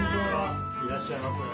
いらっしゃいませ。